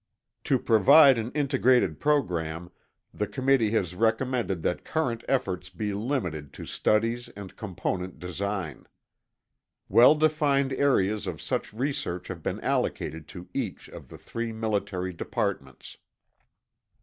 "To provide an integrated program, the Committee has recommended that current efforts be limited to studies and component design. Well defined areas of such research have been allocated to each of the three military departments."